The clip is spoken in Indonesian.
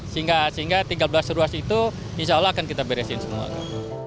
sehingga tiga belas ruas itu insya allah akan kita beresin semuanya